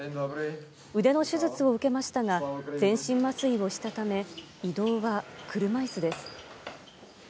腕の手術を受けましたが、全身麻酔をしたため、移動は車いすです。